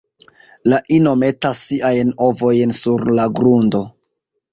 La ino metas siajn ovojn sur la grundo.